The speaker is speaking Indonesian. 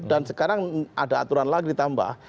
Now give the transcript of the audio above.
dan sekarang ada aturan lagi ditambah